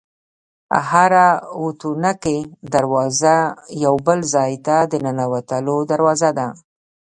هره وتونکې دروازه یو بل ځای ته د ننوتلو دروازه ده.